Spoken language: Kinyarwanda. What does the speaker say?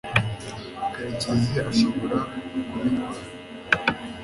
karekezi ashobora kubikora